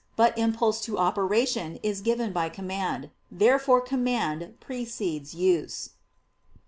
But impulse to operation is given by command. Therefore command precedes use.